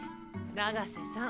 長瀬さん。